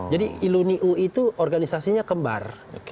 jadi iluni ui itu organisasinya kembar